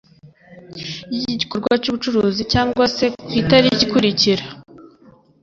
Y igikorwa cy ubucuruzi cyangwa se ku itariki ikurikira